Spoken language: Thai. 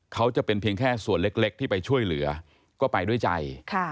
เขาจะเป็นเพียงแค่ส่วนเล็กที่ไปช่วยเหลือก็ไปด้วยใจ